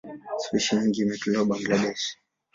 Spishi hiyo imetoweka Bangladesh.